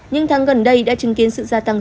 những tháng gần đây đã chứng kiến sự gia tăng